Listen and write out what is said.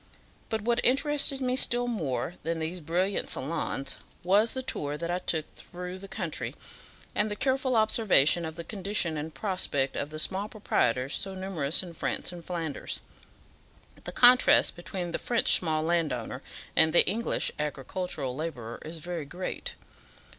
But what interested me still more than these brilliant salons, was the tour that I took through the country, and the careful observation of the condition and prospect of the small proprietors so numerous in France and Flanders. The contrast between the French small landowner and the English agricultural labourer is very great.